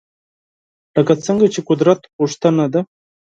لکه څنګه چې قدرت غوښتنه ده